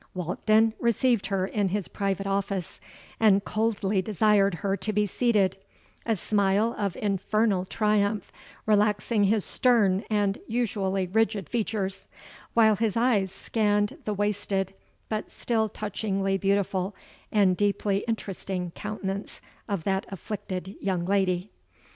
Walkden received her in his private office, and coldly desired her to be seated, a smile of infernal triumph relaxing his stern and usually rigid features; while his eyes scanned the wasted, but still touchingly beautiful and deeply interesting countenance of that afflicted young lady.